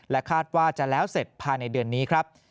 คาดว่าจะแล้วเสร็จภายในเดือนนี้ครับ